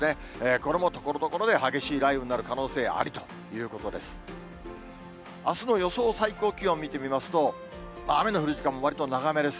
これもところどころで、激しい雷雨になる可能性ありということです。